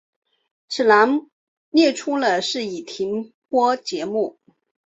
此栏列出的是已停播节目。